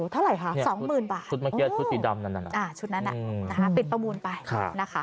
เท่าไหร่คะ๒หมื่นบาทอู๊อ่าชุดนั้นน่ะปิดประมูลไปนะคะ